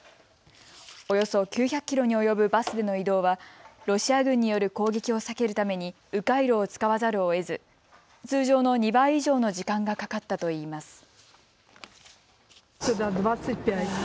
およそ９００キロに及ぶバスでの移動はロシア軍による攻撃を避けるためにう回路を使わざるをえず通常の２倍以上の時間がかかったといいます。